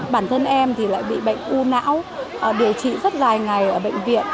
bản thân em thì lại bị bệnh u não điều trị rất dài ngày ở bệnh viện